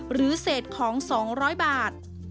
หรือเศษของ๒๐๐บาท